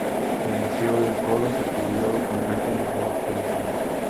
Se inició en coros y estudió con Anthony Rolfe Johnson.